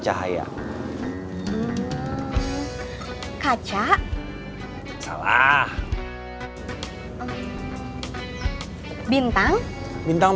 jadi tapi aku ga tari apalagi pilihan